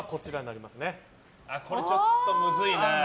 ちょっとむずいな。